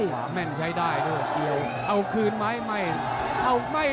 แกงนี้ดูตรีอย่างงี้